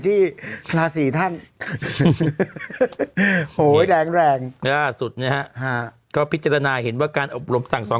ที่ทราสีท่านโหแรงก็พิจารณาเห็นว่าการอบรมสั่งศร้อน